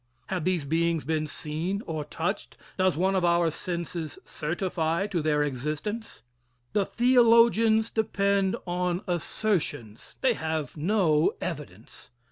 Have these beings been seen or touched? Does one of our senses certify to their existence? The theologians depend on assertions. They have no evidence.